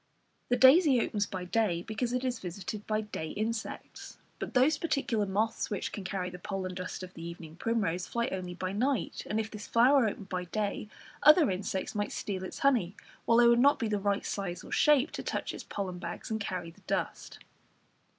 The daisy opens by day, because it is visited by day insects, but those particular moths which can carry the pollen dust of the evening primrose, fly only by night, and if this flower opened by day other insects might steal its honey, while they would not be the right size or shape to touch its pollen bags and carry the dust.